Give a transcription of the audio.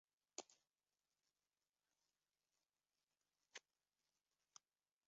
Van itt egy régi ev.